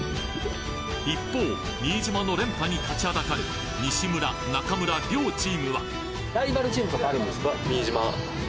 一方新島の連覇に立ちはだかる両チームは？